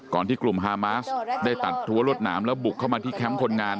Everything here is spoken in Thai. ที่กลุ่มฮามาสได้ตัดรั้วรวดหนามแล้วบุกเข้ามาที่แคมป์คนงาน